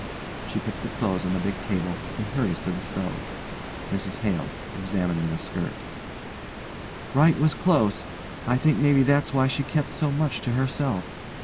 (She puts the clothes on the big table, and hurries to the stove.) MRS HALE: (examining the skirt) Wright was close. I think maybe that's why she kept so much to herself.